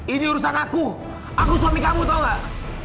ini urusan aku aku suami kamu tau gak